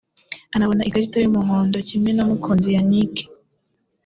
anabona ikarita y’umuhondo kimwe na Mukunzi Yannick